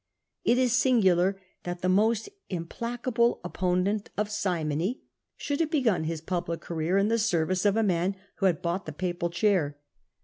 It is singular that the most implacable opponent of simony should have begun his public career in the service of a man who had bought the papal chair.